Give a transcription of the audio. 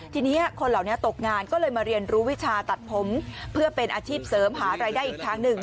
ทีนี้คนเหล่านี้ตกงานก็เลยมาเรียนรู้วิชาตัดผมเพื่อเป็นอาชีพเสริมหารายได้อีกทางหนึ่ง